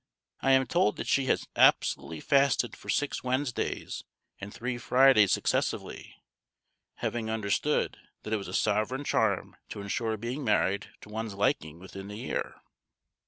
I am told that she has absolutely fasted for six Wednesdays and three Fridays successively, having understood that it was a sovereign charm to ensure being married to one's liking within the year.